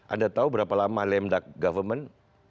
anda tahu berapa lama lemdak government